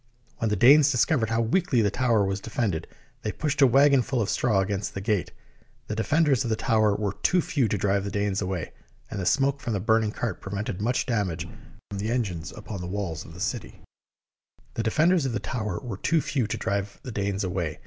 When the Danes discovered how weakly the tower was de fended, they pushed a wagon full of straw against the gate. The defenders of the tower were too few to drive the Danes away, and the smoke from the burning cart prevented much damage from the en gines upon the walls of the city.